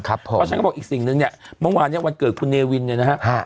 เพราะฉะนั้นก็บอกอีกสิ่งนึงเนี่ยมองวานเกิดคุณเนวินเนี่ยนะฮะ